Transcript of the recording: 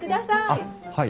あっはい。